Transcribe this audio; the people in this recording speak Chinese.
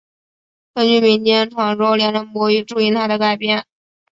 根据民间传说梁山伯与祝英台的改编。